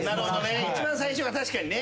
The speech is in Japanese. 一番最初が確かにね。